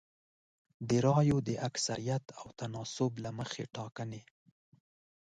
د رایو د اکثریت او تناسب له مخې ټاکنې